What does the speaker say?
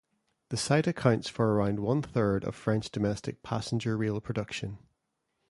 The site accounts for around one third of French domestic passenger rail production.